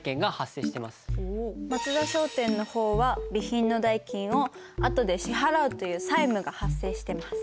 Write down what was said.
松田商店の方は備品の代金をあとで支払うという債務が発生してます。